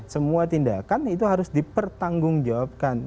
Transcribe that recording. semua tindakan itu harus dipertanggungjawabkan